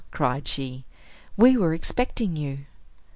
cried she. "We were expecting you."